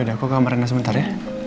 yaudah aku ke kamar rena sebentar ya